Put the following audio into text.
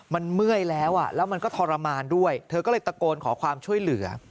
มันเมื่อยแล้วแล้วมันก็ทรมานด้วยเธอก็เลยตะโกนขอความช่วยเหลือ